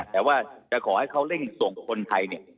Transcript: แต่ว่าจะขอให้เขาเร่งส่งคนไทยเนี่ย